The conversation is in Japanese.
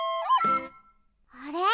あれ？